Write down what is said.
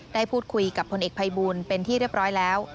ได้พูดคุยกับพลเอกภัยบูลเป็นที่เรียบร้อยแล้ว